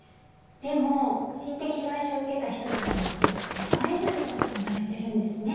でも心的外傷を受けた人々にとってバイブルだと呼ばれてるんですね。